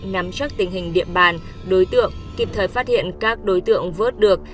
nắm chắc tình hình địa bàn đối tượng kịp thời phát hiện các đối tượng vớt được